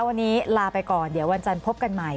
วันนี้ลาไปก่อนเดี๋ยววันจันทร์พบกันใหม่